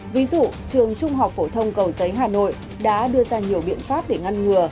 ví dụ trường trung học phổ thông cầu giấy hà nội đã đưa ra nhiều biện pháp để ngăn ngừa